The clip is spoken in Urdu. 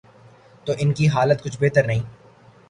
تو ان کی حالت کچھ بہتر نہیں۔